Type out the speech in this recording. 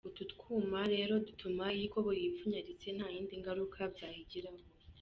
Utu twuma rero dutuma iyo ikoboyi yipfunyaritse nta yindi ngaruka byayigiraho.